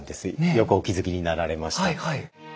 よくお気付きになられました。